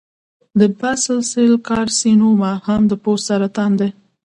د باسل سیل کارسینوما هم د پوست سرطان دی.